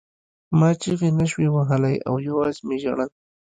ما چیغې نشوې وهلی او یوازې مې ژړل